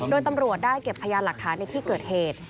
โดยตำรวจได้เก็บพยานหลักฐานในที่เกิดเหตุ